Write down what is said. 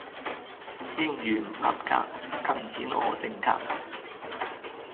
英語唔合格更顯我性格